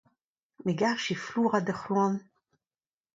Me garje flourañ da c'hloan.